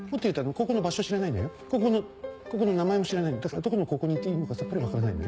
高校の高校の名前も知らないのだからどこの高校に行っていいのかさっぱり分からないのよ。